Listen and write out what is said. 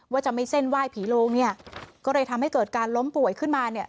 ว่าจะไม่เส้นไหว้ผีโลงเนี่ยก็เลยทำให้เกิดการล้มป่วยขึ้นมาเนี่ย